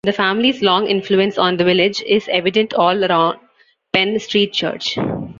The family's long influence on the village is evident all around Penn Street church.